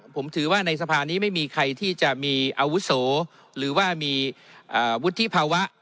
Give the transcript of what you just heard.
ผมถือว่าในสภานี้ไม่มีใครที่จะมีอาวุโสหรือว่ามีวุฒิภาวะ